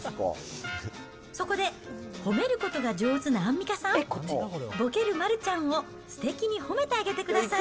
そこで、褒めることが上手なアンミカさん、ボケる丸ちゃんをすてきに褒めてあげてください。